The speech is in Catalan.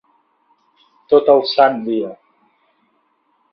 Tot el sant dia.